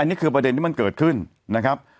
นี่คือประเด็นที่มันเกิดขึ้นนะครับ